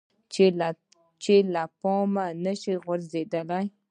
چې له پامه نشي غورځیدلی.